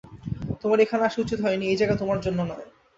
তোমার এখানে আসা উচিত হয়নি, এই জায়গা তোমার জন্য নয়।